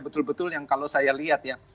betul betul yang kalau saya lihat ya